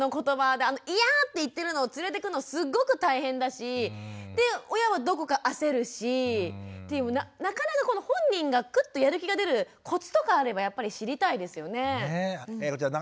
であの「いや」って言ってるのを連れてくのすっごく大変だしで親はどこか焦るしなかなか本人がクッとやる気が出るコツとかあればやっぱり知りたいですよね。